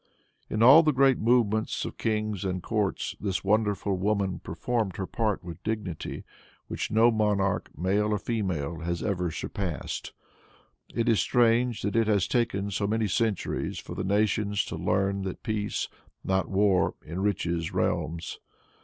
In all the great movements of kings and courts this wonderful woman performed her part with dignity which no monarch, male or female, has ever surpassed. It is strange that it has taken so many centuries for the nations to learn that peace, not war, enriches realms.